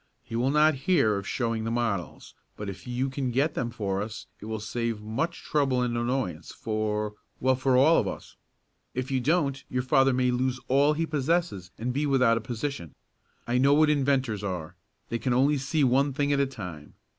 He will not hear of showing the models, but if you can get them for us it will save much trouble and annoyance for well, for all of us. If you don't, your father may lose all he possesses and be without a position. I know what inventors are. They can only see one thing at a time.